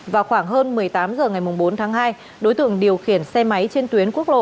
vào khoảng hơn một mươi tám h ngày bốn tháng hai đối tượng điều khiển xe máy trên tuyến quốc lộ